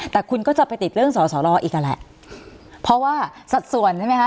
แต่คุณก็จะไปติดเรื่องสอสอรออีกนั่นแหละเพราะว่าสัดส่วนใช่ไหมคะ